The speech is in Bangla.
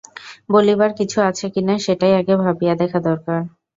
বলিবার কিছু আছে কি না সেটাই আগে ভাবিয়া দেখা দরকার।